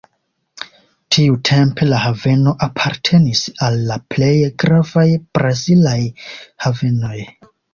Tiutempe la haveno apartenis al la plej gravaj brazilaj havenoj.